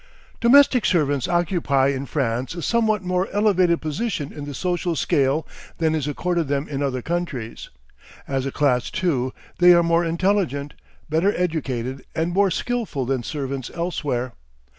Domestic servants occupy in France a somewhat more elevated position in the social scale than is accorded them in other countries. As a class, too, they are more intelligent, better educated, and more skillful than servants elsewhere.